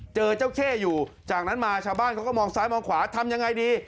เจอเจ้าเข้อยู่จากนั้นมาชาวบ้านเขาก็มองซ้ายมองขวาทำยังไงดี